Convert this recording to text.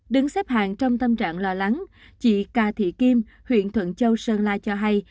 đứng xếp hàng trong tâm trạng lo lắng chị cà thị kim huyện thuận châu sơn la cho hay